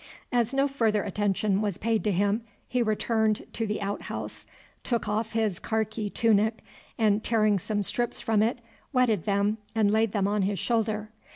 As no further attention was paid to him he returned to the outhouse, took off his karkee tunic, and tearing some strips from it, wetted them and laid them on his shoulder.